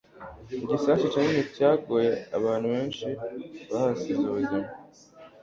Igisasu kinini cyaguye, abantu benshi bahasiga ubuzima.